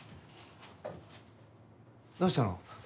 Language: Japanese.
どうしたの？